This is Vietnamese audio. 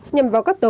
nhằm vào các tấn công